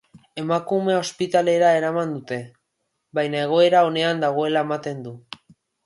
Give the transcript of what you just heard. Emakumea ospitalera eraman dute, baina egoera onean dagoela ematen du.